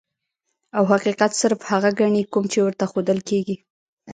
او حقيقت صرف هغه ګڼي کوم چي ورته ښودل کيږي.